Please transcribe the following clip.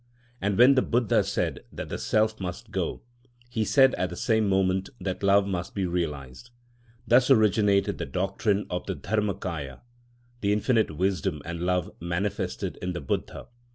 And when the Buddha said that the self must go, he said at the same moment that love must be realised. Thus originated the doctrine of the Dharma kâya, the Infinite Wisdom and Love manifested in the Buddha.